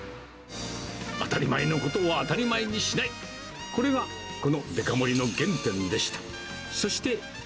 当たり前のことを当たり前にしない、これが、このデカ盛りの原点でした。